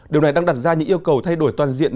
điều này đang đặt ra những yêu cầu thay đổi toàn diện